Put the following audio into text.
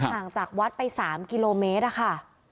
ห่างจากวัดไป๓กิโลเมตรอะค่ะ